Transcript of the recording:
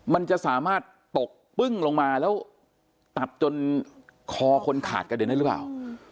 มันจะสามารถตกปึ้งลงมาแล้วตัดจนคอคนขาดกระเด็นได้หรือเปล่า